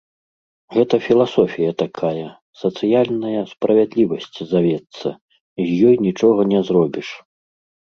Гэта філасофія такая, сацыяльная справядлівасць завецца, з ёй нічога не зробіш.